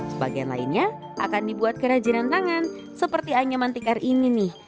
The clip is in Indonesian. sebagian lainnya akan dibuat kerajinan tangan seperti anyaman tikar ini nih